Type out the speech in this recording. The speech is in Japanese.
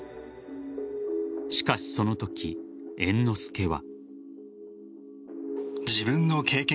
しかし、そのとき猿之助は。